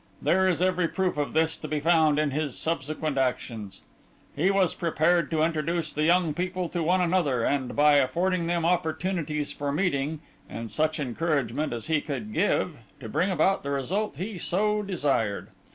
There is every proof of this to be found in his subsequent actions. He was prepared to introduce the young people to one another, and by affording them opportunities for meeting, and such encouragement as he could give, to bring about the result he so desired.